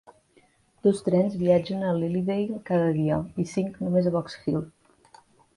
Dos trens viatgen a Lilydale cada dia i cinc només a Box Hill.